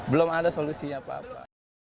belum ada solusinya apa apa